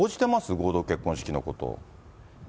合同結婚式のこと。